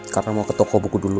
karena mau ke toko buku dulu